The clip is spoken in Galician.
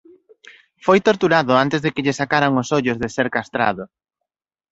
Foi torturado antes de que lle sacaran os ollos de ser castrado.